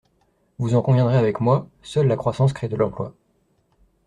Vous en conviendrez avec moi : seule la croissance crée de l’emploi.